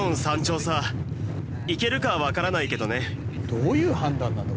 どういう判断なんだ？